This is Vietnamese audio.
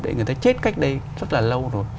để người ta chết cách đây rất là lâu rồi